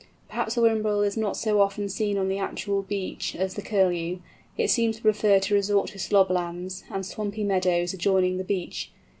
Perhaps the Whimbrel is not so often seen on the actual beach as the Curlew; it seems to prefer to resort to slob lands, and swampy meadows adjoining the beach.